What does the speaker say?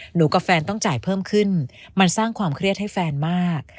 กับแฟนต้องจ่ายเพิ่มขึ้นมันสร้างความเครียดให้แฟนมาก